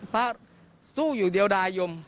สู้อยู่เดียวดายม